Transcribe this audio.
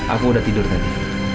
aku udah tidur tadi